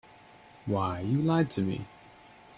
Why, you lied to me.